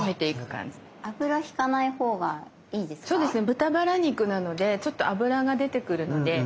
豚バラ肉なのでちょっと油が出てくるので。